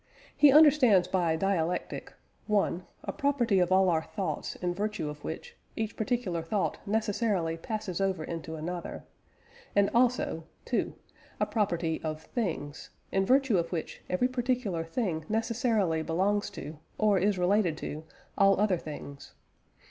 He understands by "dialectic" (1) a property of all our thoughts in virtue of which, each particular thought necessarily passes over into another; and also (2) a property of things, in virtue of which every particular thing necessarily belongs to, or is related to, all other things.